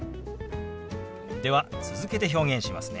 では続けて表現しますね。